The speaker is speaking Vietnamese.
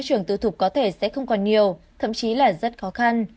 ưu thục có thể sẽ không còn nhiều thậm chí là rất khó khăn